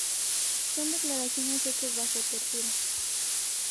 Son declaraciones hechas bajo tortura".